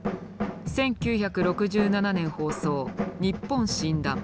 １９６７年放送「にっぽん診断」。